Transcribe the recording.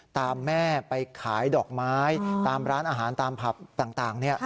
ตามแม่ไปขายดอกไม้ตามร้านอาหารตามผับต่าง